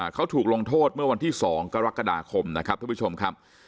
เขาถูกลงโทษเมื่อวันที่๒กรกฎาคมนะครับท่านผู้ชมครับ